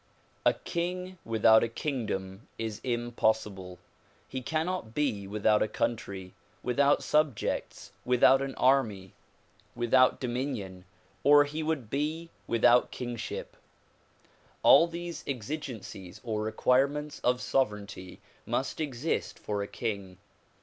A king without a kingdom is impossible. He cannot be without a country, without subjects, without an army. 214 THE PRO^iULGATION OF UNIVERSAL PEACE without dominion, or he would be without kingship. All these exi gencies or requirements of sovereignty must exist for a king.